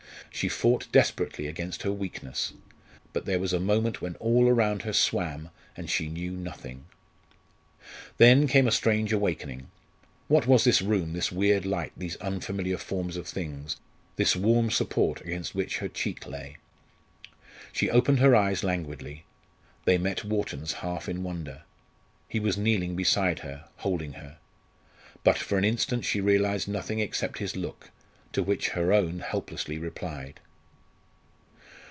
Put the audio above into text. She fought desperately against her weakness; but there was a moment when all around her swam, and she knew nothing. Then came a strange awakening. What was this room, this weird light, these unfamiliar forms of things, this warm support against which her cheek lay? She opened her eyes languidly. They met Wharton's half in wonder. He was kneeling beside her, holding her. But for an instant she realised nothing except his look, to which her own helplessly replied.